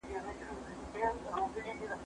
زه به مېوې راټولې کړي وي!